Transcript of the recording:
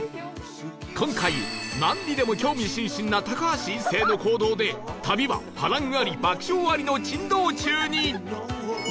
今回なんにでも興味津々な高橋一生の行動で旅は波乱あり爆笑ありの珍道中に